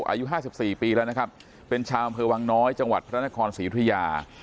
อายุห้าสิบสี่ปีแล้วนะครับเป็นชาวเผลอวังน้อยจังหวัดพระนครศรีธุริยา